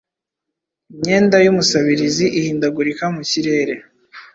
Imyenda y'Umusabirizi, ihindagurika mu kirere,